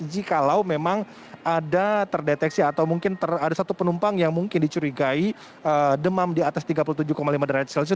jikalau memang ada terdeteksi atau mungkin ada satu penumpang yang mungkin dicurigai demam di atas tiga puluh tujuh lima derajat celcius